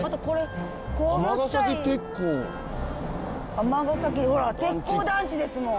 「尼崎」ほら「鉄工団地」ですもん。